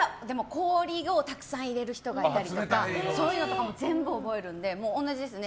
氷をたくさん入れる人がいたりとかそういうのとかも全部覚えるので同じですよね。